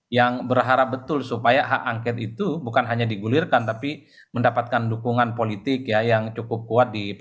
yang berharap betul supaya hak angket itu bukan hanya digulirkan tapi mendapatkan dukungan politik yang cukup kuat